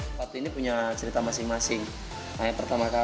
sepatu ini punya cerita masing masing